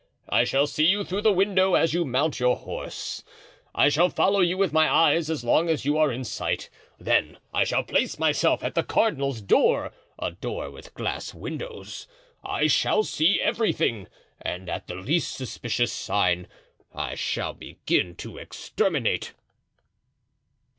"I shall see you through the window as you mount your horse; I shall follow you with my eyes as long as you are in sight; then I shall place myself at the cardinal's door—a door with glass windows. I shall see everything, and at the least suspicious sign I shall begin to exterminate."